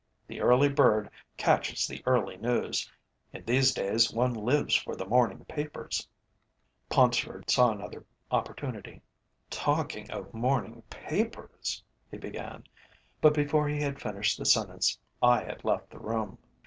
The early bird catches the early news. In these days one lives for the morning papers." Paunceford saw another opportunity. "Talking of morning papers " he began, but before he had finished the sentence I had left the room.